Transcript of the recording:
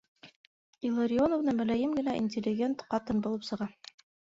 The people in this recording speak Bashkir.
Илларионовна мөләйем генә интеллигент ҡатын булып сыға.